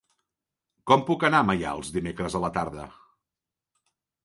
Com puc anar a Maials dimecres a la tarda?